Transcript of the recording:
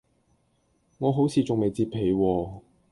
我好似仲未摺被喎